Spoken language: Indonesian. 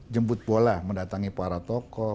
jemput bola mendatangi para tokoh